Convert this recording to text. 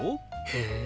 へえ！